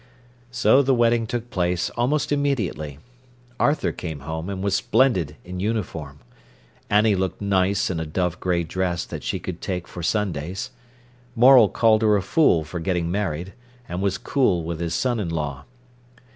So the wedding took place almost immediately. Arthur came home, and was splendid in uniform. Annie looked nice in a dove grey dress that she could take for Sundays. Morel called her a fool for getting married, and was cool with his son in law.